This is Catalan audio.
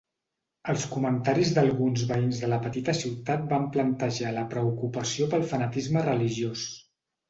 Els comentaris d'alguns veïns de la petita ciutat van plantejar la preocupació pel fanatisme religiós.